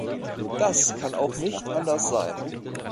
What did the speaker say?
Das kann auch nicht anders sein.